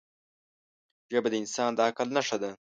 ژبه د انسان د عقل نښه ده